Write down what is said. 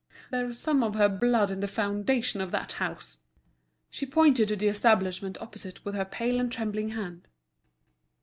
There's some of her blood in the foundation of that house." She pointed to the establishment opposite with her pale and trembling hand.